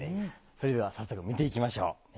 それでは早速見ていきましょう。ね。